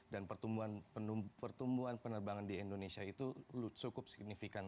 dan pertumbuhan penerbangan di indonesia itu cukup signifikan